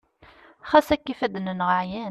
ɣas akka ifadden-nneɣ ɛyan